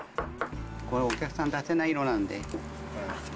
これ、お客さんに出せない色なんで。